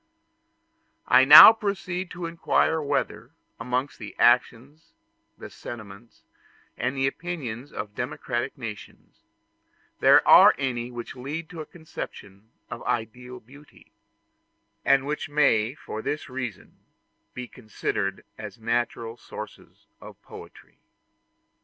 I now proceed to inquire whether, amongst the actions, the sentiments, and the opinions of democratic nations, there are any which lead to a conception of ideal beauty, and which may for this reason be considered as natural sources of poetry.